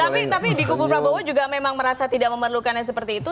tapi di kubu prabowo juga memang merasa tidak memerlukan yang seperti itu